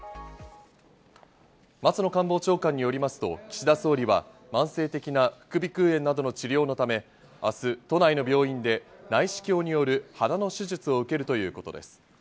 松野官房長官によりますと岸田総理は慢性的な副鼻腔炎などの治療のため、明日、都内の病院で内視鏡による鼻の手術を受けるということです。